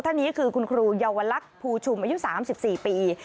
ท่านนี้คือคุณครูเยาวลักษณ์ภูชุมอายุ๓๔ปี